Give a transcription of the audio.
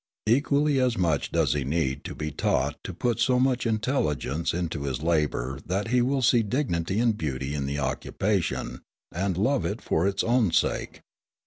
Equally as much does he need to be taught to put so much intelligence into his labour that he will see dignity and beauty in the occupation, and love it for its own sake.